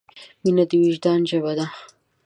مینه د وجدان ژبه ده.